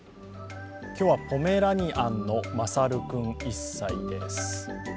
今日はポメラニアンのまさるくん１歳です。